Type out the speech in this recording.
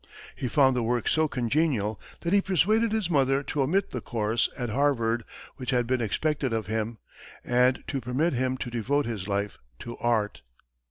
He found the work so congenial that he persuaded his mother to omit the course at Harvard which had been expected of him, and to permit him to devote his life to art.